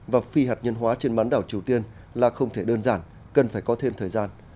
và phi hạt nhân hóa trên bán đảo triều tiên là không thể đơn giản cần phải có thêm thời gian